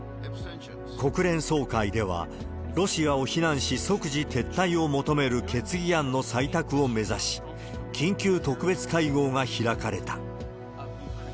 国連総会では、ロシアを非難し、即時撤退を求める決議案の採択を目指し、緊急特別会合が開かれた。